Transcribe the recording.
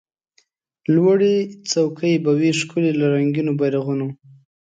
لوړي څوکي به وي ښکلي له رنګینو بیرغونو